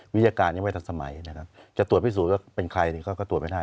วิทยาการยังไม่ทันสมัยนะครับจะตรวจพิสูจนว่าเป็นใครก็ตรวจไม่ได้